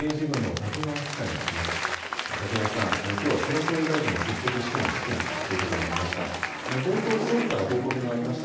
瀧川さん、きょうは菅総理大臣も出席しての質疑ということになりました。